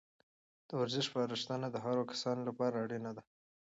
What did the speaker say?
د ورزش سپارښتنه د هرو کسانو لپاره اړینه ده.